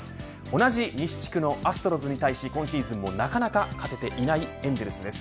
同じ西地区のアストロズに対して今シーズンもなかなか勝てていないエンゼルスです。